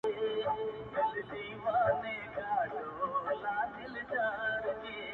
په دغه کور کي نن د کومي ښکلا میر ویده دی؟